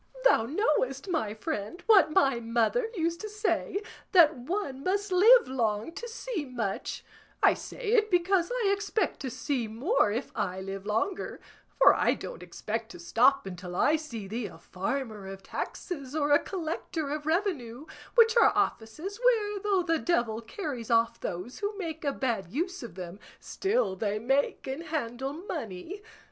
Thou knowest, my friend, what my mother used to say, that one must live long to see much; I say it because I expect to see more if I live longer; for I don't expect to stop until I see thee a farmer of taxes or a collector of revenue, which are offices where, though the devil carries off those who make a bad use of them, still they make and handle money.